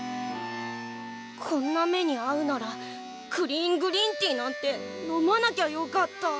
こんな目にあうならクリーングリーンティなんて飲まなきゃよかった。